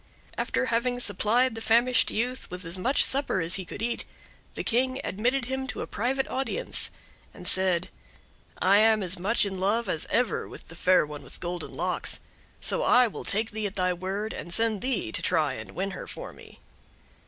After having supplied the famished youth with as much supper as he could eat, the King admitted him to a private audience, and said: "I am as much in love as ever with the Fair One with Golden Locks, so I will take thee at thy word, and send thee to try and win her for me."